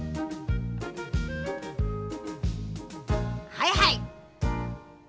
はいはい。